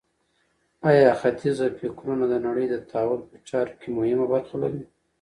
آیا ختیځه فکرونه د نړۍ د تحول په چارو کي مهمه برخه لري؟